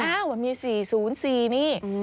อ้าวมี๔๐๔นี่